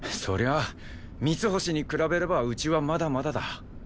そりゃミツホシに比べればうちはまだまだだ。